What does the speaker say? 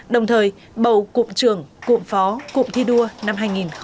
đồng thời bầu cụm trường cụm phó cụm thi đua năm hai nghìn hai mươi bốn